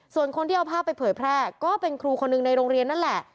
ส่วนคนที่เอาภาพไปเผยแพร่ก็เป็นครูคนหนึ่งในโรงเรียนนั่นแหละ